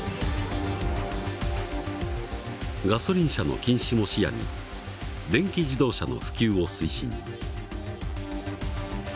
ガソリン車の禁止も視野に電気自動車の普及を推進。